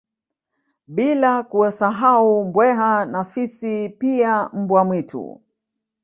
Bila kuwasahau Mbweha na Fisi pia Mbwa mwitu